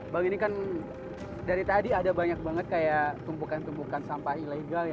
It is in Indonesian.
bang ini kan dari tadi ada banyak banget kayak tumpukan tumpukan sampah ilegal ya